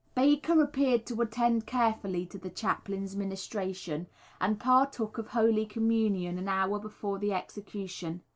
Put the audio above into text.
Baker appeared to attend carefully to the chaplain's ministration, and partook of Holy Communion an hour before the execution.